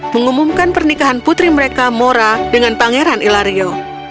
mengumumkan pernikahan putri mereka mora dengan pangeran ilario